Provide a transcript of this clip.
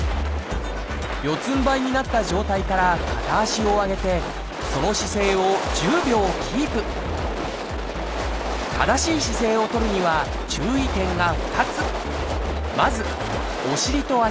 四つんばいになった状態から片足を上げてその姿勢を１０秒キープ正しい姿勢を取るには注意点が２つ。